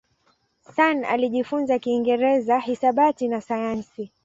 Sun alijifunza Kiingereza, hisabati na sayansi.